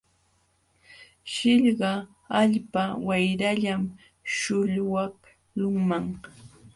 Śhllqa allpa wayrallam śhullwaqlunman.